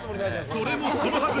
それも、そのはず。